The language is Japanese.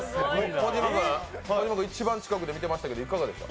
小島君、一番近くで見てましたけどいかがでした？